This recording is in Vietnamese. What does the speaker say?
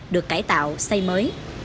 được cải tạo xây mới